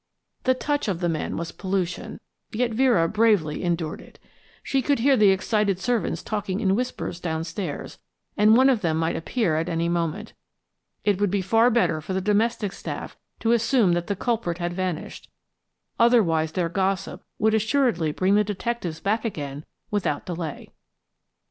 The touch of the man was pollution, yet Vera bravely endured it. She could hear the excited servants talking in whispers downstairs, and one of them might appear at any moment. It would be far better for the domestic staff to assume that the culprit had vanished, otherwise their gossip would assuredly bring the detectives back again without delay.